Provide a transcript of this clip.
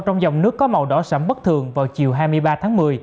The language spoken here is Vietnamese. trong dòng nước có màu đỏ sầm bất thường vào chiều hai mươi ba tháng một mươi